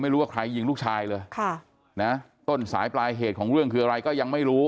ไม่รู้ว่าใครยิงลูกชายเลยค่ะนะต้นสายปลายเหตุของเรื่องคืออะไรก็ยังไม่รู้